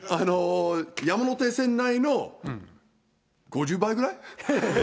山手線内の５０倍ぐらい？